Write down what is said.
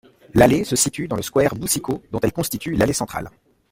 L'allée se situe dans le square Boucicaut dont elle constitue l'allée centrale.